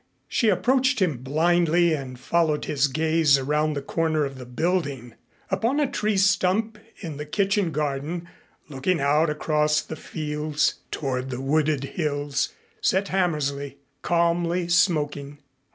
She approached him blindly and followed his gaze around the corner of the building. Upon a tree stump in the kitchen garden, looking out across the fields toward the wooded hills sat Hammersley, calmly smoking.